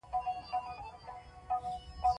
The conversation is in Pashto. هغه په کلي کې کوکې وهلې.